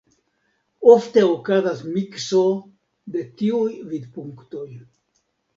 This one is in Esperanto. Ofte okazas mikso de tiuj vidpunktoj.